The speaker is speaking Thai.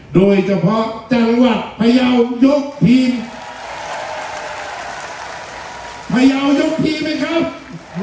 โดยเฉพาะจังหวัดพยาวยกทีมพยาวยุคนี้ไหมครับ